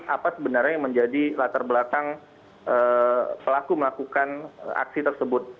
apa sebenarnya yang menjadi latar belakang pelaku melakukan aksi tersebut